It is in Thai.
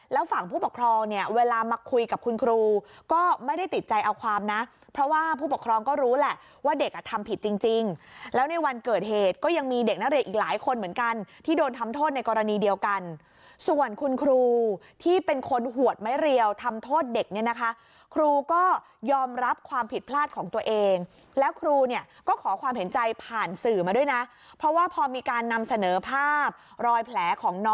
แล้วความนะเพราะว่าผู้ปกครองก็รู้แหละว่าเด็กทำผิดจริงแล้วในวันเกิดเหตุก็ยังมีเด็กนักเรียนอีกหลายคนเหมือนกันที่โดนทำโทษในกรณีเดียวกันส่วนคุณครูที่เป็นคนหวดไม่เรียวทำโทษเด็กเนี่ยนะคะครูก็ยอมรับความผิดพลาดของตัวเองแล้วครูเนี่ยก็ขอความเห็นใจผ่านสื่อมาด้วยนะเพราะว่าพอมีการน